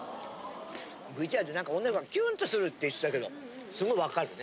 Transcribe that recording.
ＶＴＲでなんかキューンとするって言ってたけどすごいわかるね。